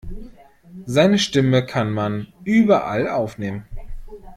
Seine Stimme kann man überall aufnehmen.